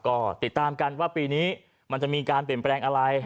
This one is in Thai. ก็ติดตามกันว่าปีนี้มันจะมีการเปลี่ยนแปลงอะไร